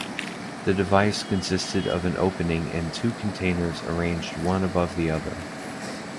The device consisted of an opening and two containers arranged one above the other.